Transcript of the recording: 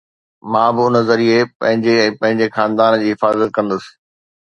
مان به ان ذريعي پنهنجي ۽ پنهنجي خاندان جي حفاظت ڪندس